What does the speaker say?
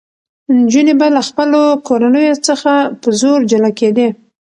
نجونې به له خپلو کورنیو څخه په زور جلا کېدې.